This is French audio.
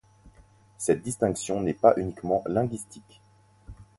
Cette distinction n'est pas uniquement linguistique.